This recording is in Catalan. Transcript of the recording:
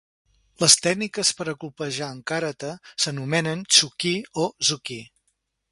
Les tècniques per a colpejar en karate s'anomenen "tsuki" o "zuki".